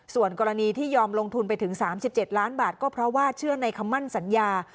ส่วนกรณีที่ยอมลงทุนไปถึง๓๗ล้านบาทก็เพราะว่าเชื่อในคำมั่นสัญญา